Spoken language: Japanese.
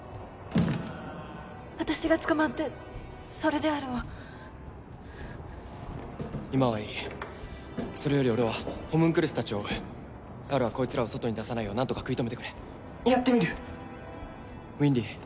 私が捕まってそれでアルは今はいいそれより俺はホムンクルス達を追うアルはこいつらを外に出さないようなんとか食い止めてくれやってみるウィンリィ